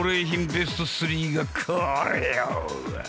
ベスト３がこれよ！